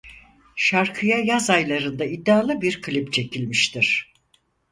Şarkıya yaz aylarında iddialı bir klip çekilmiştir.